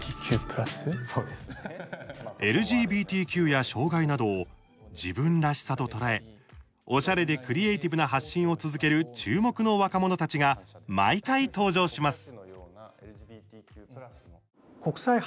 ＬＧＢＴＱや障害などを自分らしさと捉えおしゃれでクリエーティブな発信を続ける注目の若者たちが毎回、登場します。